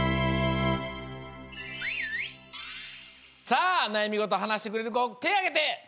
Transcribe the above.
さあなやみごとはなしてくれるこてあげて。